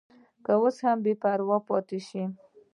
که اوس هم بې پروا پاتې شو.